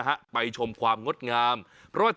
แก้ปัญหาผมร่วงล้านบาท